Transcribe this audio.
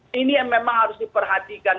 jadi ini yang memang harus diperhatikan